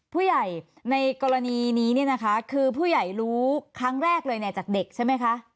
ผู้ใหญ่ในกรณีนี้เนี่ยนะคะคือผู้ใหญ่รู้ครั้งแรกเลยเนี่ยจากเด็กใช่ไหมคะ